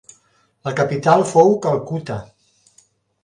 La capital fou Calcuta.